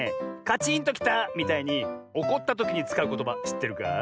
「カチンときた」みたいにおこったときにつかうことばしってるか？